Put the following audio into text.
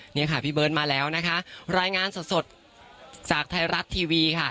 นี่ค่ะพี่เบิร์ตมาแล้วนะคะรายงานสดจากไทยรัฐทีวีค่ะ